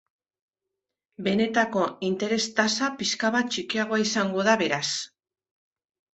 Benetako interes tasa pixka bat txikiagoa izango da beraz.